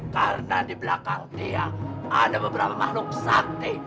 karena di belakang dia ada beberapa makhluk sakti